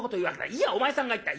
『いやお前さんが言った』。